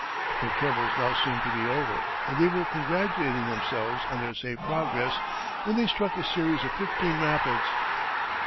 Their troubles now seemed to be over and they were congratulating themselves on their safe progress, when they struck a series of fifteen rapids.